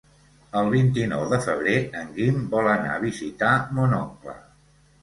El vint-i-nou de febrer en Guim vol anar a visitar mon oncle.